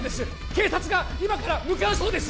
警察が今から向かうそうです